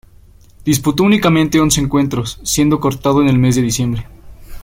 Disputó únicamente once encuentros, siendo cortado en el ms de diciembre.